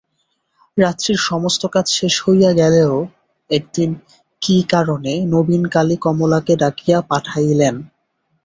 রাত্রির সমস্ত কাজ শেষ হইয়া গেলেও একদিন কী কারণে নবীনকালী কমলাকে ডাকিয়া পাঠাইলেন।